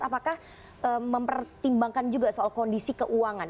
apakah mempertimbangkan juga soal kondisi keuangan